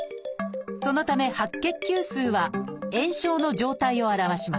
そのため白血球数は炎症の状態を表します。